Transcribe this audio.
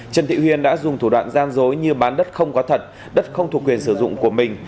trần thị huyền đã dùng thủ đoạn gian dối như bán đất không có thật đất không thuộc quyền sử dụng của mình